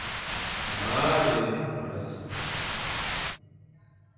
Mâa lé ma zu.